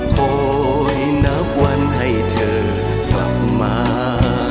คอยนับวันให้เธอกลับมา